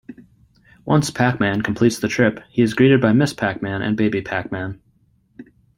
Once Pac-Man completes the trip, he is greeted by Ms. Pac-Man and Baby Pac-Man.